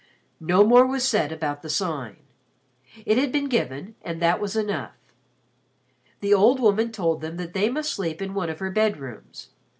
No more was said about the Sign. It had been given and that was enough. The old woman told them that they must sleep in one of her bedrooms.